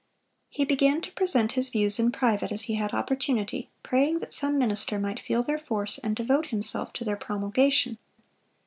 (551) He began to present his views in private as he had opportunity, praying that some minister might feel their force and devote himself to their promulgation.